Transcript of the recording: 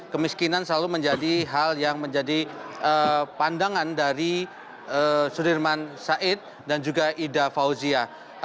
kemiskinan selalu menjadi hal yang menjadi pandangan dari sudirman said dan juga ida fauzia